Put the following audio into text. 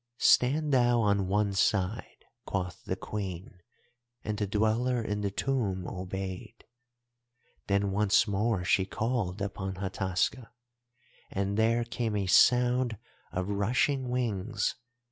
"'Stand thou on one side,' quoth the Queen, and the Dweller in the Tomb obeyed. "Then once more she called upon Hataska and there came a sound of rushing wings.